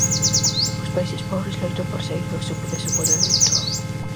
Os países pobres loitan por saír do subdesenvolvemento.